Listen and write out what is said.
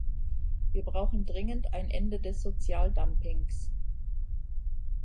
Wir brauchen dringend ein Ende des Sozialdumpings.